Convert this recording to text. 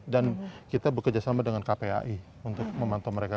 dan kita bekerjasama dengan kpai untuk memantau mereka